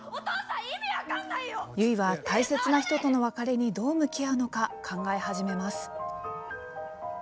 結は大切な人との別れにどう向き合うのか、考え始めます。